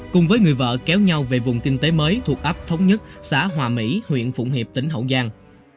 cùng với người vợ kéo nhau về vùng kinh tế mới thuộc ấp thống nhất xã hòa mỹ huyện phụng hiệp tỉnh hậu giang